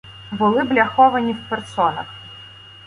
Були бляховані в персонах